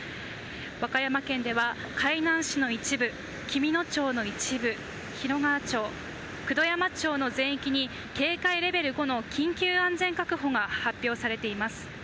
和歌山県では海南市の一部、紀美野町の一部、広川町、九度山町の全域に警戒レベル５の緊急安全確保が発表されています。